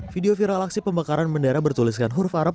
video viral aksi pembakaran bendera bertuliskan huruf arab